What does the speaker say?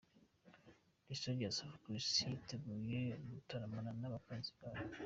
The Soldiers of Christ yiteguye gutaramana n'abakunzi bayo.